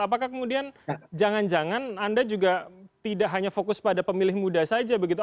apakah kemudian jangan jangan anda juga tidak hanya fokus pada pemilih muda saja begitu